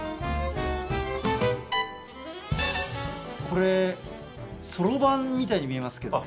これそろばんみたいに見えますけど。